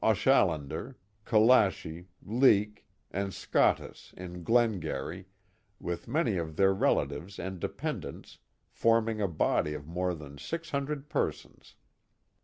Auchallader, Collachie, Leek, and Scottus in Glen garry, with many of iheir relatives and dependants, forming a body of more than 600 persons.